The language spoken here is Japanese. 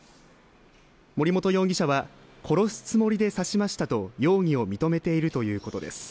森本容疑者は、殺すつもりで刺しましたと容疑を認めているということです。